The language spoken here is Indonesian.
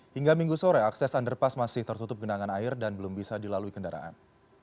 hingga minggu sore akses underpass masih tertutup genangan air dan belum bisa dilalui kendaraan